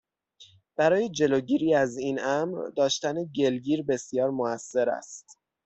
برای جلوگیری ازا ین امر، داشتن گلگیر بسیار موثر است.